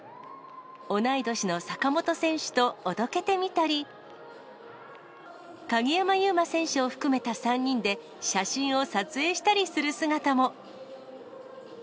同い年の坂本選手とおどけてみたり、鍵山優真選手を含めた３人で、写真を撮影したりする姿も。